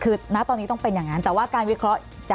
คือณตอนนี้ต้องเป็นอย่างนั้นแต่ว่าการวิเคราะห์